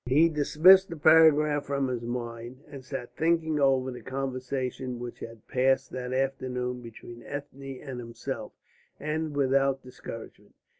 He dismissed the paragraph from his mind, and sat thinking over the conversation which had passed that afternoon between Ethne and himself, and without discouragement.